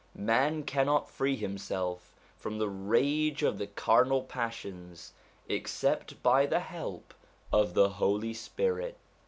Man cannot free himself from the rage of the carnal passions except by the help of the Holy Spirit.